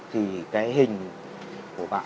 thì cái hình của bạn